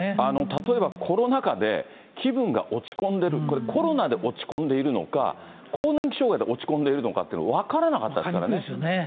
例えばコロナ禍で、気分が落ち込んでる、これ、コロナで落ち込んでいるのか、更年期障害で落ち込んでいるのかって分からなかったですからね。